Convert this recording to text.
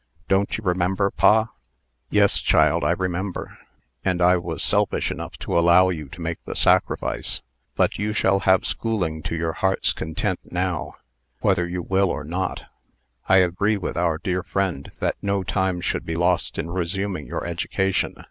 Don't you remember, pa?" "Yes, child; I remember. And I was selfish enough to allow you to make the sacrifice. But you shall have schooling to your heart's content now, whether you will or not. I agree with our dear friend, that no time should be lost in resuming your education.